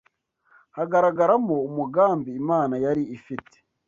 hagaragaramo umugambi Imana yari ifite